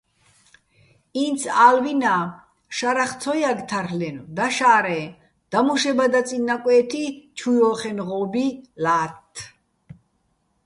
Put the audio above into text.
ინც ა́ლვინა შარახ ცო ჲაგე̆ თარლ'ენო̆, დაშა́რე, დამუშებადჲაწიჼ ნაკვე́თი, ჩუ ჲო́ხენო̆ ღო́ბი ლა́თთ.